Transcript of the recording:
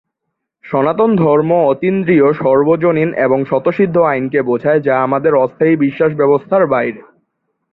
সনাতন ধর্ম, অতীন্দ্রিয়, সর্বজনীন এবং স্বতঃসিদ্ধ আইনকে বোঝায় যা আমাদের অস্থায়ী বিশ্বাস ব্যবস্থার বাইরে।